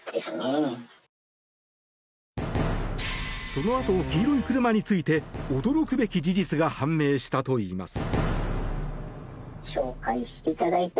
その後、黄色い車について驚くべき事実が判明したといいます。